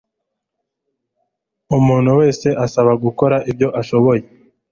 umuntu wese asaba gukora ibyo ashoboye